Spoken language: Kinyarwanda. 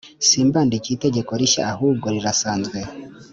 simbandikiye itegeko rishya ahubwo rirasanzwe